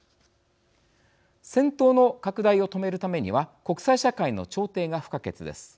戦闘の拡大を止めるためには国際社会の調停が不可欠です。